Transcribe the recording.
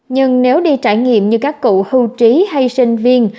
nhưng nếu đi trải nghiệm như các cụ hưu trí hay sinh viên